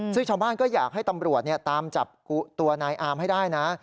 ซึ่งชาวบ้านก็อยากให้ตำรวจตามจับตัวนายอามให้ได้นะ